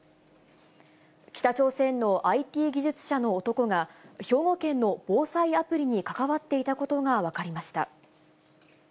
北朝鮮のＩＴ技術者の男が、兵庫県の防災アプリに関わっていたことが分かりました。